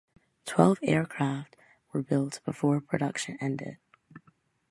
Twelve aircraft were built before production ended.